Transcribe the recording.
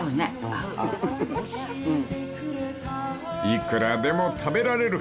［いくらでも食べられる］